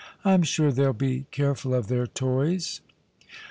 I'm sure they'll be careful of their toys."